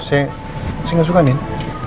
saya enggak suka nin